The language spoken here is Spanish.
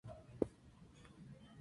Ambas salas contaban con fiscales.